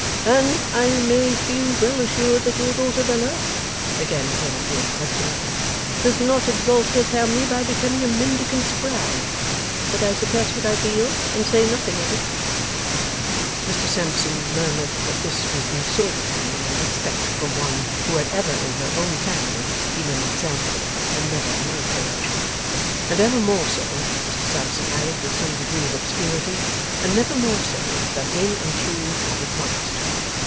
And I may feel well assured that your daughter Bella,' again turning to her husband, 'does not exalt her family by becoming a Mendicant's bride. But I suppress what I feel, and say nothing of it.' Mr Sampson murmured that this was the sort of thing you might expect from one who had ever in her own family been an example and never an outrage. And ever more so (Mr Sampson added, with some degree of obscurity,) and never more so, than in and through what had passed.